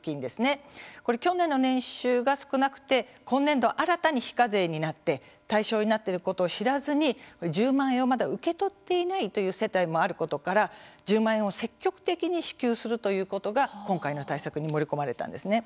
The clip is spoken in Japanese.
去年の年収が少なくて今年度、新たに非課税になって対象になっていることを知らずに１０万円をまだ受け取っていないという世帯もあることから１０万円を積極的に支給するということが、今回の対策に盛り込まれたんですね。